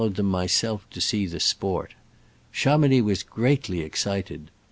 ed them myself to see the sport. Cha mounix was greatly excited.